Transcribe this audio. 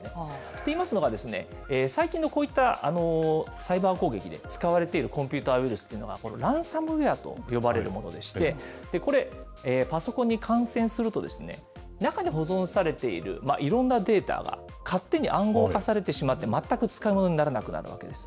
といいますのは、最近のこういったサイバー攻撃で使われているコンピューターウイルスというのが、ランサムウエアと呼ばれるものでして、これ、パソコンに感染すると、中で保存されているいろんなデータが、勝手に暗号化されてしまって、全く使いものにならなくなるわけです。